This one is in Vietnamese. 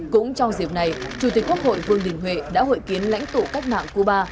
cũng trong dịp này chủ tịch quốc hội vương đình huệ đã hội kiến lãnh tụ cách mạng cuba